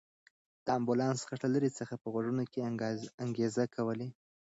د امبولانس غږ له لرې څخه په غوږونو کې انګازې کولې.